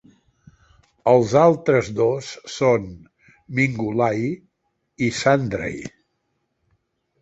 Els altres dos són Mingulay i Sandray.